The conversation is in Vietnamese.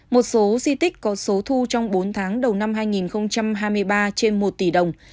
một số di tích có số thu trong bốn tháng đầu năm hai nghìn hai mươi ba trên một tỷ đồng